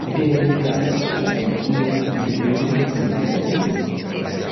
Viene indicata sulla piantina delle linee con il colore blu.